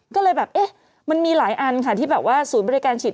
ก็เลยแบบเอ๊ะมันมีหลายอันค่ะที่แบบว่าศูนย์บริการฉีด